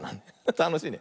たのしいね。